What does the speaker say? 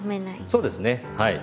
そうですねはい。